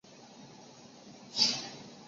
一阵子没看到妳